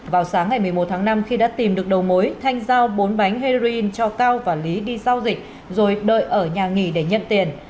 vào sáng ngày một mươi một tháng năm khi đã tìm được đầu mối thanh giao bốn bánh heroin cho cao và lý đi giao dịch rồi đợi ở nhà nghỉ để nhận tiền